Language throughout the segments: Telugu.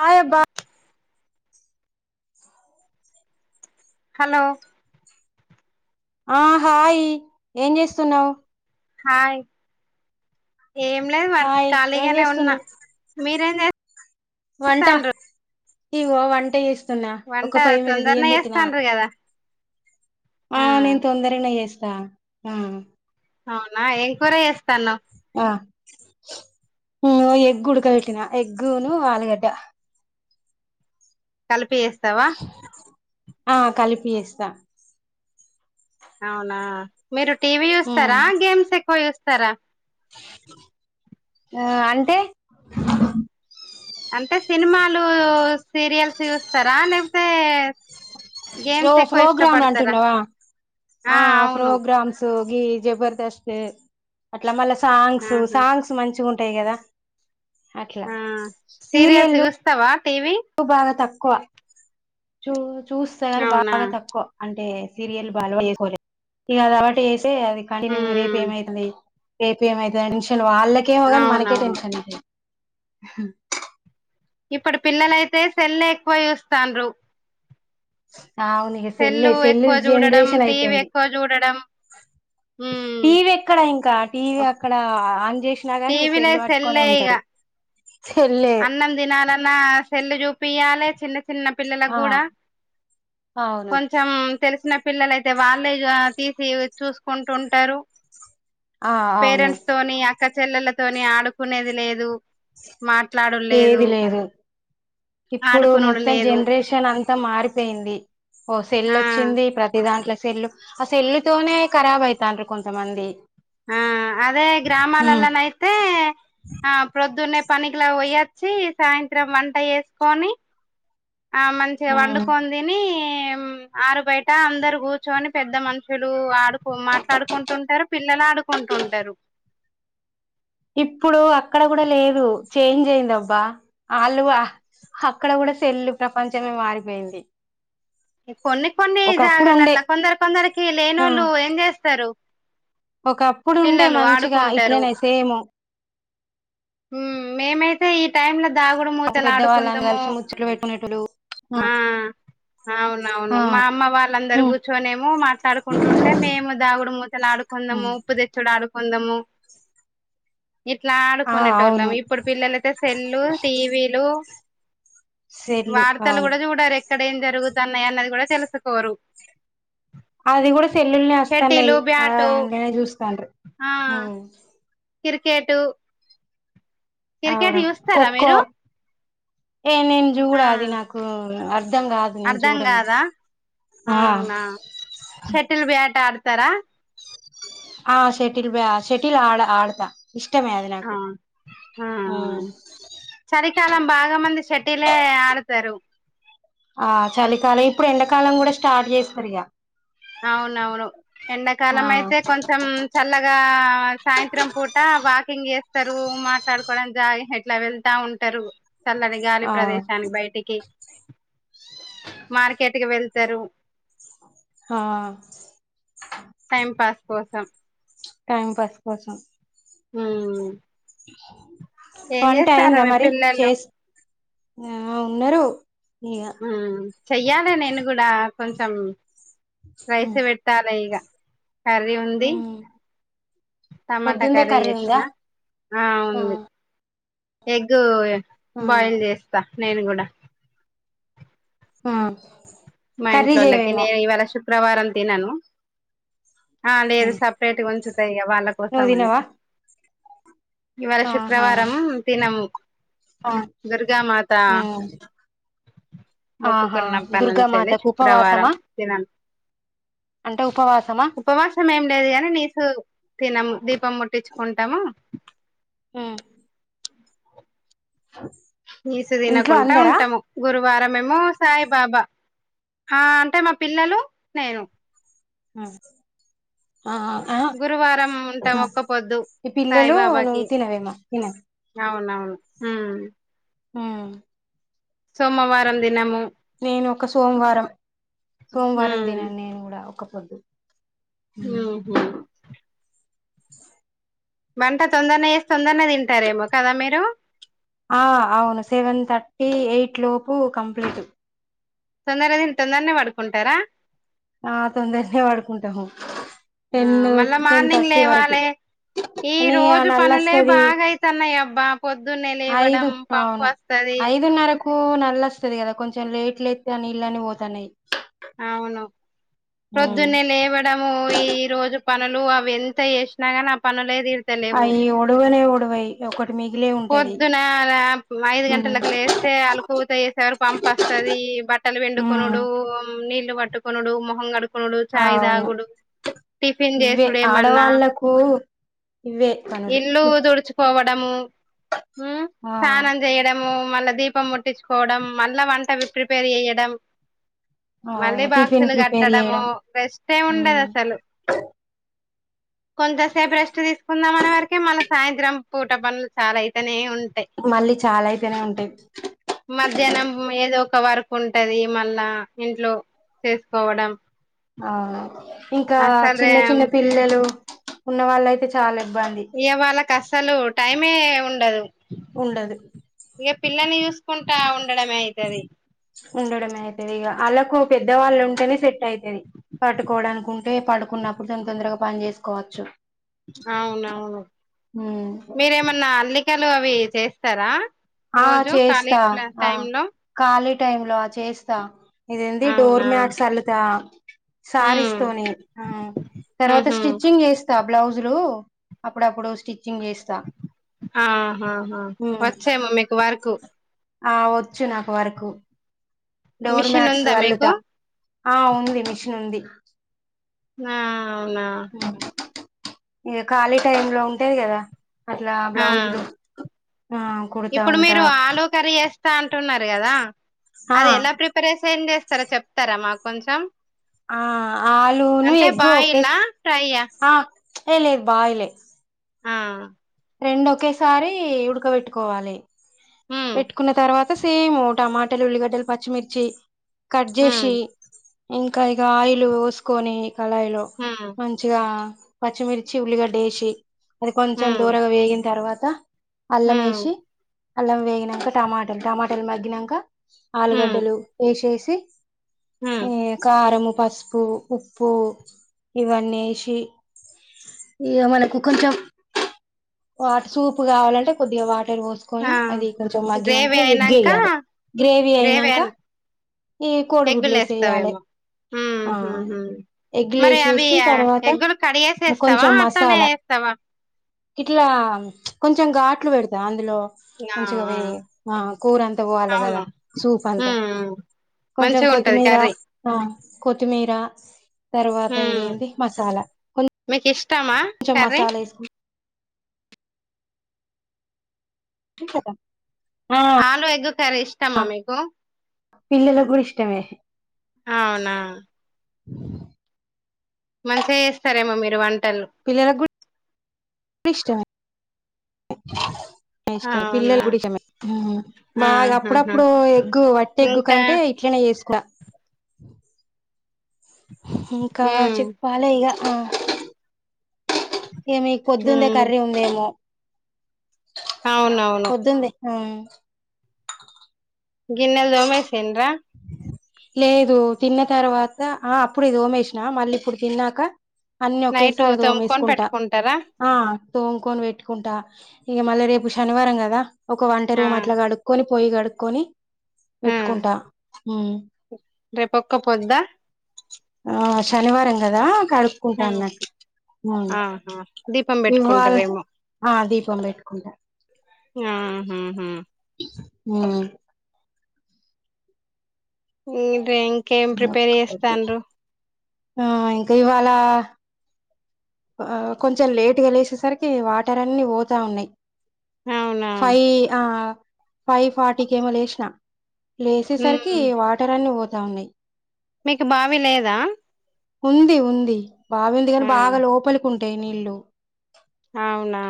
హాయ్ అబ్బా హలో ఆ హాయ్ ఏం చేస్తున్నావు హాయ్ ఏం లేదు వార్ హాయ్ ఏం ఖాళీగానే ఉన్నా చేస్తున్నావ్ మీరు ఏం చేసు వంట ఇగో వంట చేసు తున్న వంట ఒక పోయి మీద తొందరనే బియ్యం పెట్టినా చేస్తాండ్రు కదా ఆ నేను తొందరగానే చేసు తా ఆ అవునా ఏం కూర ఏసు ఆ ఇంగో ఎగ్ ఉడక వెట్టినా ఎగ్గును ఆలుగడ్డ కలిపి ఏస్తావా ఆ కలిపి ఏస్తా అవునా మీరు టీవీ ఉమ్ చూస్తారా గేమ్స్ ఎక్కువ చూస్తారా ఆ అంటే అంటే సినిమాలు సీరియల్స్ చూస్తారా లేపోతే ఓ ప్రోగ్రామ్ లు అంటున్నావా ఆ ప్రోగ్రామ్స్ ఈ జబర్ధస్త్ అట్లా మల్ల సాంగ్స్ ఆహా సాంగ్స్ మంచిగా ఉం టాయి కదా అట్లా ఆ సీరియల్స్ సీరియల్ చూస్తావా టీవీ బాగా తక్కువ చూ చూస్తాగని అవునా బాగా తక్కువ అంటే సీరియల్ బాలు రోల్ చేసుకోలే ఇక అదిబట్టి వేస్తే అది కంటిన్యూ రేపు ఉమ్ ఏమయితది ఏపీఎం అయితది టెన్షన్ వాళ్ళకే ఏమోగాని మనకే అవునవును టెన్షన్ అయితది ఇప్పటి పిల్లలయితే సెల్ ఎక్కువ చూస్తాండ్రు ఆ అవును ఇగ సెల్ సెల్లు సెల్ ఎక్కువ చూడడం జనరేషన్ టీవీ అయిపోయింది ఎక్కువ చూడడం ఉమ్ టీవీ ఎక్కడ ఇంకా టీవీ అక్కడ ఆంజెస్ వచ్చినా గాని టీవీనే సెల్లు పట్టుకొనే సెల్లే ఇగ ఉంటారు సెల్లే అన్నం తినాలన్నా సెల్లు చూపియ్యాలే చిన్ను కు చిన్న పిల్లలకు ఆ కూడా అవును కొంచెం తెలిసిన పిల్లలు అయితే వాళ్ళే తీసి చూసుకుంటు ఉంటారు ఆ అవును పేరెంట్స్ తోని అక్క చెల్లెలతోని ఆడుకునేది లేదు మాత్ ఏది లేదు ఇప్పుడు ఆడుకునుడు మొత్తం లేదు జనరేషన్ అంతా మారిపోయింది సెల్ ఆ వచ్చింది ప్రతి దాంట్లో సెల్లు ఆ సెల్లు తోనే ఖరాబ్ అయ్యితండ్రి కొంతమంది ఆ అదే ఉమ్ గ్రామాలలా నైతే ఆ ప్రొద్దు నే పనికికిలా వయ్యొచ్చి సాయంత్రం వంట వేసుకొని ఆ మంచిగా ఉమ్ వండుకొని తిని ఏమ్ ఆరు బయట అందరు కూర్చొని పెద్ద మనుషులు ఆడుకో మాట్లాడుకుంటు ఉంటారు పిక్ పిల్లలు ఆడుకుంటు ఉంటారు ఇప్పుడు అక్కడ కూడా లేదు చేంజ్ అయింది అబ్బా ఆలువ హక్కడ కూడా సెల్లు ప్రపంచమే మారిపోయింది కొన్ని కొన్ని ఒకప్పుడు ఉండే జాగాలల్లా కొందరు కొందరికి లేని ఆ వాళ్ళు ఏం చేస్తారు ఒకప్పుడు ఉండే పిల్లలు మంచిగా ఇట్లనే సేము హామ్ మేమైతే ఈప్ ఈ టైమ్ లా దాగుడు మూతలు పెద్దవాళ్ళని ఆడుకుందాము కలిసి ముచ్చట్లు పెట్టుకునేటోళ్ళు ఆ అవునవును ఆ మా అమ్మ వాళ్ళందరు ఉమ్ కూర్చొనిమో మాట్లాడుకుంటుంటే మేము దాగుడు మూతలు ఆడుకు కుందామో ఉమ్ ఉప్పు తెచ్చోడు అడుకుందమో ఇట్లా ఆ అవును ఆడుకునేటోల్లం ఇప్పుడు పిల్లలయితే సెల్లు టీవీలు సెల్లు వార్తలు అవును కూడా చూడరు ఎక్కడ ఏం జరుగుతున్నాయి అన్నది కూడా తెలుసుకోరు అది కూడా సెల్లుల్నే షటిలు వస్తన్నాయి బ్యాటు ఆండ్లనే చూస్తాండ్రు ఆ కిర్కేటు కిర్కేటు అవును చూస్తారా ఖోఖో మీరు ఏ నేను చూడ ఆ అది నాకు అర్ధం కాదు నేను అర్ధం చూడను కాదా ఆ అవునా షటిల్ బ్యాట్ ఆడుతారా ఆ షటిల్ బ్యా షటిల్ ఆడ ఆడతా ఇష్టమే అది ఆ నాకు ఊ చాలం బాగా మంది షటిలే ఆడుతారు ఆ చలికాలం ఇప్పుడు ఎండాకాలం కూడా స్టాట్ చేస్తారిగ అవునవును ఆ ఎండాకాలం అయితే కొంచెం చల్లగా సాయంత్రం పూట వాకింగ్ చేస్తారు మాట్లాడుకోవడం జాయ్ ఎట్లా వెళ్తా ఉంటారు చల్లని గాలి ఆ ప్రదేశానికి బయటికి మార్కెట్ కి వెళ్తరు హా టైం పాస్ కోసం టైం పాస్ కోసం ఊ వంట అయ్యిందా మీ మరి పిల్లలు చేస్ ఊ ఉన్నరు ఉమ్ చెయ్యాలా నేను కూడా కొంచెం రైసు ఉమ్ పెట్టాలి ఇగ కర్రీ ఉంది ఉమ్ టమాటా పొద్దుందే కర్రీ ఉందా ఏషినా ఆ ఉంది ఎగ్గు ఆ బాయిల్ చేస్తా నేను కూడా ఆ మా కర్రీ ఇంట్లోళ్ళకి చేయవేమో నేను ఇవాళ శుక్రవారం తినను ఆ లేదు ఉమ్. సపరేట్ గా ఉంచుతా ఇగ వాళ్ళ నువ్వు కోసం అని తినవా ఇవాళ ఆహా శుక్రవారం తినము ఆ దుర్గామాత ఉమ్ ఆహా మొక్కుకున్నాం కానుంచెల్లి దుర్గామాతకు శుక్రవారం ఉపవాసమా తినన్ అంటే ఉపవాసమా ఉపవాసం ఏం లేదు గానీ నీసు తినము దీపం ముట్టిచ్చుకుంటాము ఊ నీసు ఇంట్లో తినకుంటా అందరా ఉంటము గురు వారం ఏమో సాయి బాబా ఆ అంటే మా పిల్లలు నేను ఊ ఆ ఆ గురువారం ఉంటాం ఆ ఒక్క పొద్దు ఈ పిల్లలు నువ్వు సాయిబాబాకి తినవేమా తిన అవునవును ఊ ఊ సోమవారం దినము నేను ఒక సోమవారం సోమవారం ఉమ్ దినను నేను కూడా ఒక్కపొద్దు ఊహూ వంట తొందరనే చేసి తొందరనే తింటారేమో కదా మీరు ఆ అవును సెవెన్ థర్టీ ఎయిట్ లోపు కంప్లీటు తొందరగా తిని తొందరనే పడుకుంటారా ఆ తొందరనే వడుకుంటాము ఆ మళ్ళా మార్నింగ్ లేవాలె ఈ కానీ ఆ రోజు పనులే నల్లొస్తది బాగయితాన్నాయబ్బా పొద్దున్నే లేవడం పంపొస్తాది ఐదున్నరు నల్లొస్తది కదా కొంచెం లేట్ లేత్తే ఆ నీళ్ళన్నీ పోతాన్నాయి అవును ప్రొద్దున్నే లేవడము ఈ రోజు పనులూ అవి ఎంత చేసిన కాని ఆ పనులే తీర్ లేవు అయి ఒడవనే ఒడవయి ఒకటి మిగిలే ఉంటది పొద్దునా ఐదు ఉమ్ గంటల్లకు లేస్ తే అలుకూతె ఏసేవాల్ పంపొస్తదీ బట్టలు ఉమ్ పిండుకొనుడూ నీళ్లు పట్టుకొనుడూ మొహం కడుకొనుడూ ఆ ఛాయ్ అవును తాగుడు, టిఫిన్ ఇవే చేసుడేమన్నా ఆడవాళ్ళలకు ఇవే పనులు ఇళ్లు తుడుచుకోవడ్ డం ఊ ఆ స్నానం చేయడమూ, మళ్ళ దీపం ముట్టించుకోవడం మళ్ళ వంట ప్రిపేర్ చెయడం, మళ్ళీ అవును టిఫిన్ బాక్సులు ప్రిపేర్ కట్టడమూ చేయడం రెస్ట్ ఉమ్, ఏముండదసలు, [unintelligible] కొంతసేప్ రెస్ట్ తీస్కుందాం అనే సర్కిే మల్ల సాయంత్రం పూట పనుల్ చాల అయితనే ఉంట మళ్లి చాలయితెనే ఉంటయి. మధ్యానం ఏదో ఒక వర్క్ ఉంటదీ మళ్ళా ఇంట్లో చేస్కోవడం, అవునా ఇంకా చిన్న చిన్న పిల్లలూ ఉన్న వాళ్ళయితె చాలా ఇబ్బంది ఇక వాళ్ళకస్సలూ టైమే ఉండదు ఉండదు ఇక పిల్లనీ చూస్ కుంటా ఉండమే అయితది. ఉండడమే అయితది ఇక ఆళ్ళకు పెద్దవాళ్ళుంటెనే సెట్ అయితది పట్టుకోడానికుంటే, పడుకున్నప్పుడు తొన్ తొందరగా పని చేస్కోవచ్చు, అవునవును ఉమ్. మీరేమన్నా అల్లికలు అవీ చేస్తరా ఆ చేస్తా ఆ కాలి టైమ్ లో చేస్తా ఇదేంది డోర్ అవునా మ్యాట్స్ అల్లుతా శారీస్ ఉమ్ తోని, ఆ తర్వాత ఉహు స్టిచ్చింగ్ చేస్తా, బ్లౌజులూ అప్పుడప్పుడు స్టిచ్ ఆహాహా ఉమ్, వచ్చేమో మీకు వర్కు ఆ వచ్చు నాకు వర్కు డోర్ మిషన్ మ్యాట్సు ఉందా అల్లుత మీకు ఆ ఉంది మిషినుంది. ఆ అవునా ఇగా ఖాళీ టైమ్ లో ఉంటేది కద అట్లా ఆ బ్లౌజులు ఆ కుడతా ఇప్పుడు మీరు ఉంటా ఆలూ కర్రి చేస్తా అంటున్నారు, కదా ఆ అది ఎలా ప్రిపరేషేన్ చేస్ చేస్తారో చెప్తార మాకు కొంచెం ఆ ఆలూ ను అంటే ఎగ్ బాయిలా ఒకేస్ ఫ్రైయా ఆ ఏ లేదు బాయ్ లె ఆ రెండొకేసారీ ఉడుకబెట్టుకోవాలి ఉమ్ పెట్టుకున్న తర్వాత్ త సేమూ టమాటలు, ఉల్లిగడ్డలు, పచ్చిమిర్చి, కట్ ఉమ్ చేసి ఇంకా ఇక ఆయిల్ పోస్కోనీ కళాయిలో ఉమ్ మంచిగా, పచ్చిమిర్చి, ఉల్లిగడ్డ ఏసి అది కొంచెం ఉమ్ దోరగ వేగిన్ తర్వాత, అల్లం ఉమ్ ఏసి అల్లం వేగినాక టమాటలు టమాటలు మగ్గినంక ఉమ్ ఆలుగడ్డలు వేసేసి ఉమ్ ఈ కారము పసుపు, ఉప్పు ఇవన్నీ ఏసి, ఇగ మనకు కొంచెం వాటి సూప్ కావాలంటె కొద్దిగా వాట్ టర్ ఆ పోస్కొని అది కొంచెం మగ్గినంక గ్రేవీ అయినాక ఎగ్గేయాలి గ్రేవీ అయినంక ఈ కోడిగుడ్లు ఏస్సేయ్యాలె ఊ హు హు మరే అవీ వేసేసి తర్వాత ఎగ్గులు కడిగేసేస్తవా కొంచెం అట్లనే మసాలా ఏస్తవ ఇట్లా కొంచెం ఘాట్లు పెడత అందులో ఆ మంచిగ ఆ వేయి ఆ కూర అంత పోవాలె కద అవును సూప్ అంత ఉమ్ కొంచెం మంచిగా ఉంటది కొత్తిమీర కర్రీ ఆ కొత్తిమీర తర్వాత ఉమ్ ఇదేంది మసాలా కొ మీకు ఇష్టమా కర్రీ [unintelligible] ఆ ఆలు ఎగు కరీ ఇష్టమా మీకు పిల్లలకు కూడా ఇష్టమే అవునా ఆ మంచిగా చేస్తారేమో మీరు వం పిల్లల గూడ ఇష్టమే ఇష్టం అవునా పిల్లలు గుడికమే బాగా ఆహాహా అప్పుడప్పుడు ఎగ్గు వటి ఎగ్గు ఇంకా కంటే ఇట్లనే చేస్ ట ఇంకా ఉమ్ చెప్పాలి ఇగ ఆ ఇగ మీకు పొద్దుంది ఉమ్ కర్రీ ఉందేమో అవునవును పోద్దుందే ఆ గిన్నెల్ దోమేసిండ్రా లేదు తిన్న తర్వాత ఆ అప్పుడే తోమేష్ నా మళ్ళీ ఇప్పుడు తిన్నాక అన్ని నైట్ ఒకేసారి తోముకొని దోమేసుకుంటా పెట్టుకుంటారా ఆ తోముకొని పెట్టుకుంటా ఇక మళ్ళీ రేపు శనివారం కదా ఒక వంట ఆ రూమ్ అట్లా కడుకొని పొయ్య కడుకొని పెట్టుకుంటా రేపొక్క పొద్దా ఆ శనివారం కదా కడుపుకుంటా ఆ, అన్నట్టు ఆ ఆహా దీపం ఇవ్వాల పెట్టుకుంటారేమో ఆ దీపం పెట్టుకుంటా ఆ హూ హూ ఊ ఈ డ్రింకేం ప్రిపేర్ చేస్తాండ్రు ఆ ఇంకా ఇవాళ ఆ కొంచెం లేటుగా లేసేసరికి వాటర్ అన్ని పోతా ఉన్నాయి అవునా ఫైవ్ ఆ ఫైవ్ ఫార్టీకి ఏమో లేసిన ఉమ్ లేసేసరికి వాటర్ అన్ని పోతా ఉన్నాయి మీకు బావి లేదా ఉంది ఉంది బావింది కాని ఆ బాగా లోపలికి ఉంటాయి నీళ్లు అవునా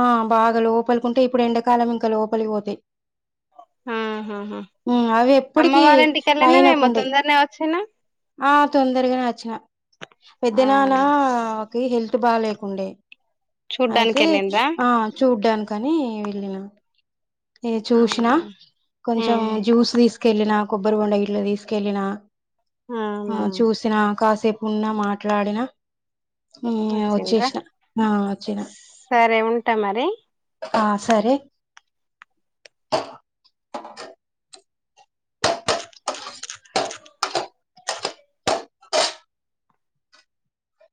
ఆ బాగా లోపలికుంటాయి ఇప్పుడు ఎండాకాలం ఇంకా లోపలికి పోతాయి అ ఆహాహా ఉమ్ అవి ఎప్పటికి అమ్మవారి ఇంటి కెళ్ళినావేమో పైనకుండే తొందరనే వచ్చినవ్ ఆ తొందరగనే వచ్చిన ఆ పెద్దనానా కి హెల్త్ బా లేకుండే చూడ్డానికి అయితే వెళ్ళిండ్రా ఆ చూడ్డానికని వెళ్ళిన ఏ చూసినా అవునా కొంచెం జ్యూస్ తీసు తీసుకెళ్ళిన కొబ్బరి బొండ ఇట్ల తీసుకెళ్ళిన అవునా ఆ చూసిన కాసేపున్నా మాట్లాడిన ఇగ వచ్చిండ్రా వచ్చేసిన ఆ వచ్చిన సరే ఉంటా మరి ఆ సరే